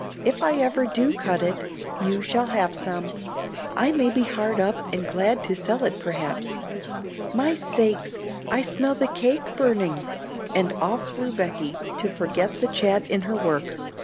If I ever do cut it, you shall have some. I may be hard up and glad to sell it perhaps. My sakes! I smell the cake burning!" and off flew Becky to forget the chat in her work.